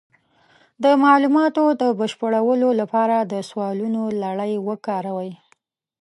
د معلوماتو د بشپړولو لپاره د سوالونو لړۍ وکاروئ.